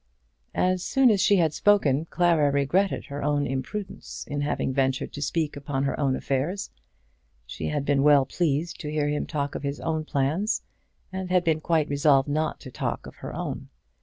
As soon as she had spoken, Clara regretted her own imprudence in having ventured to speak upon her own affairs. She had been well pleased to hear him talk of his plans, and had been quite resolved not to talk of her own.